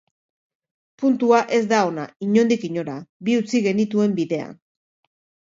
Puntua ez da ona, inondik inora, bi utzi genituen bidean.